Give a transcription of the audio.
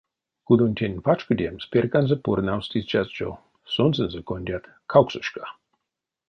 Кудонтень пачкодемс перьканзо пурнавсть истят жо, сонсензэ кондят, кавксошка.